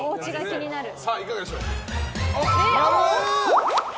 いかがでしょう。